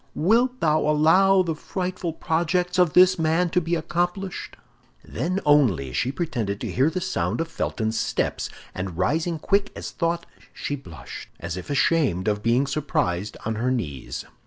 wilt thou allow the frightful projects of this man to be accomplished?" Then only she pretended to hear the sound of Felton's steps, and rising quick as thought, she blushed, as if ashamed of being surprised on her knees.